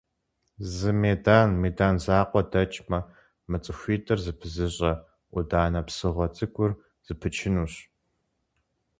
Зы медан, медан закъуэ дэкӀмэ, мы цӀыхуитӀыр зэпызыщӀэ Ӏуданэ псыгъуэ цӀыкӀур зэпычынущ.